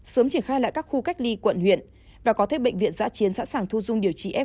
sớm triển khai lại các khu cách ly quận huyện và có thêm bệnh viện giã chiến sẵn sàng thu dung điều trị f một